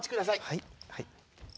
はい。